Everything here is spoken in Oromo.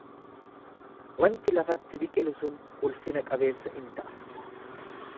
Wanti lafatti biqilu sun ulfina-qabeessa in ta'a.